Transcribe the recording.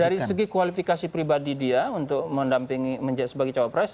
dari segi kualifikasi pribadi dia untuk mendampingi sebagai cowok pres